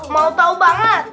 mau tau banget